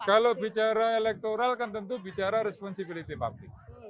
kalau bicara elektoral kan tentu bicara responsibiliti pabrik